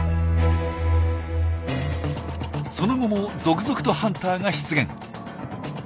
その後も続々とハンターが出現。